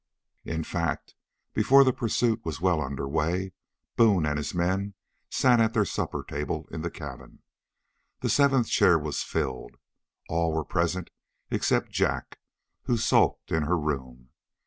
In fact, before the pursuit was well under way, Boone and his men sat at their supper table in the cabin. The seventh chair was filled; all were present except Jack, who sulked in her room.